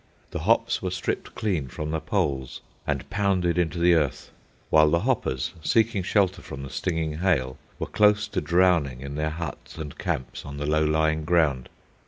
The hops were stripped clean from the poles and pounded into the earth, while the hoppers, seeking shelter from the stinging hail, were close to drowning in their huts and camps on the low lying ground.